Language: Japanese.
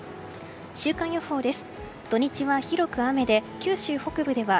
週間予報です。